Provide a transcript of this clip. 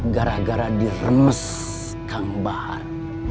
gara gara diremes kang bahar